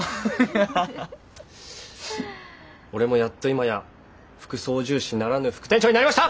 俺もやっと今や副操縦士ならぬ副店長になりました！